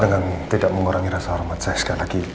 dengan tidak mengurangi rasa hormat saya sekali lagi